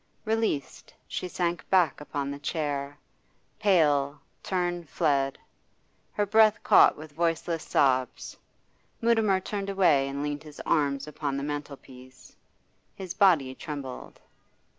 Released, she sank back upon the chair, pale, tern fled; her breath caught with voiceless sobs. Mutimer turned away and leaned his arms upon the mantelpiece. His body trembled.